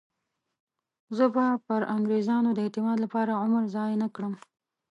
زه به پر انګریزانو د اعتماد لپاره عمر ضایع نه کړم.